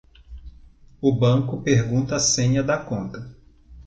O banco pergunta a senha da conta.